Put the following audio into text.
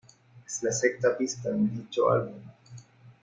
Es la sexta pista en dicho álbum.